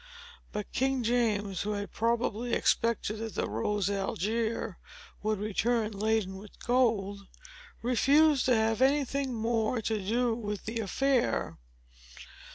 But King James, who had probably expected that the Rose Algier would return laden with gold, refused to have any thing more to do with the affair.